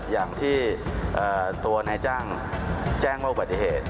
อย่างที่ตัวนายจ้างแจ้งว่าอุบัติเหตุ